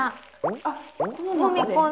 あっこの中で？